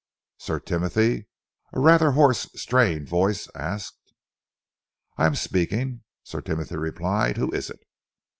"Sir Timothy?" a rather hoarse, strained voice asked. "I am speaking," Sir Timothy replied. "Who is it?"